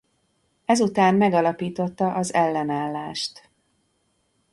Ezután megalapította az Ellenállást.